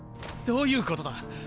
どういうことだ？